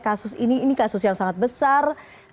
kasus ini ini kasus yang sangat besar